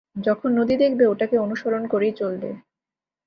যখন নদী দেখবে ওটাকে অনুসরন করেই চলবে।